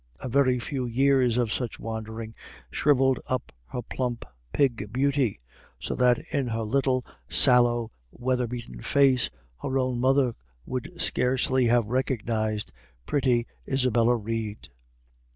A very few years of such wandering shrivelled up her plump "pig beauty," so that in her little sallow, weather beaten face her own mother would scarcely have recognised pretty Isabella Reid.